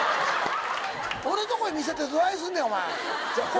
俺んとこへ見せてどないすんねんお前！